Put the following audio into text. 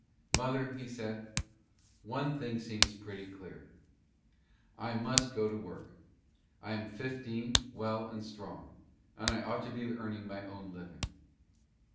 "Mother," he said, "one thing seems pretty clear. I must go to work. I am fifteen, well and strong, and I ought to be earning my own living."